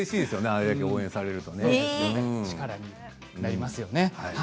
あれだけ応援されるとうれしいですよね。